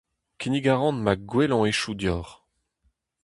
Kinnig a ran ma gwellañ hetoù deoc'h.